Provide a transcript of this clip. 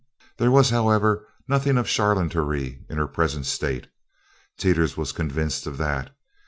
There was, however, nothing of charlatanry in her present state. Teeters was convinced of that.